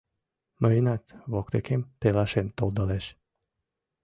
Мыйынат воктекем пелашем толдалеш